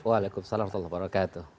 waalaikumsalam warahmatullahi wabarakatuh